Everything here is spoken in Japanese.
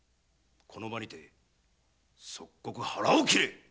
この場にて即刻腹を切れ！